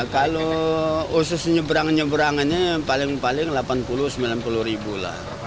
kalau usus nyebrangan nyebrangannya paling paling delapan puluh sembilan puluh ribu lah